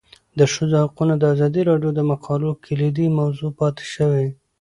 د ښځو حقونه د ازادي راډیو د مقالو کلیدي موضوع پاتې شوی.